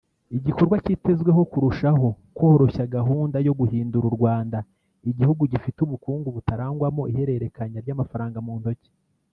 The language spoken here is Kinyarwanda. igikorwa kitezweho kurushaho koroshya gahunda yo guhindura u Rwanda igihugu gifite ubukungu butarangwamo ihererekanya ry’amafaranga mu ntoki